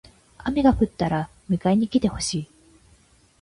雨が降ったら迎えに来てほしい。